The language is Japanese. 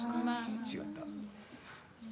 違った。